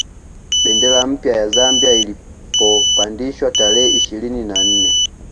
Bendera mpya ya Zambia ilipopandishwa tarehe ishirini na nne